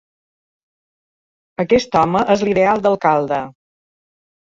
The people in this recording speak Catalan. Aquest home és l'ideal d'alcalde.